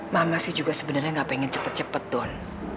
mama sih juga sebenarnya gak pengen cepet cepet ton